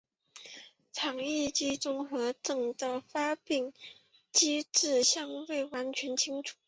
肠易激综合征的发病机制尚未完全清楚。